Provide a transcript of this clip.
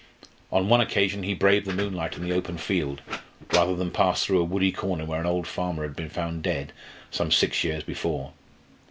On one occasion he braved the moonlight and the open field, rather than pass through a woody corner where an old farmer had been found dead some six years before.